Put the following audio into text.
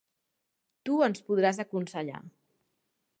Tu ens podràs aconsellar.